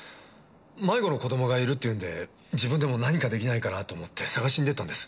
迷子の子供がいるっていうんで自分でも何か出来ないかなと思って捜しに出てたんです。